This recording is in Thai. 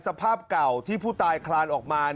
สภาพเก่าที่ผู้ตายคลานออกมา